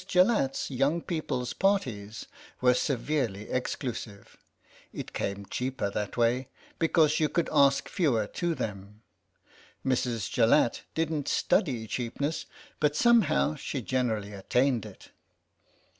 JALLATT'S young people's parties were severely exclusive; it came cheaper that way, because you could ask fewer to them. Mrs. Jallatt didn't study cheapness, but somehow she generally attained it.